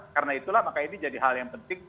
karena itulah maka ini jadi hal yang penting